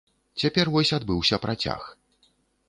Цяпер вось адбыўся працяг.